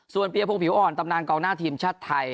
ส่วนเปียพงศ์ผิวอ่อนตำนานกองหน้าทีมชาติไทย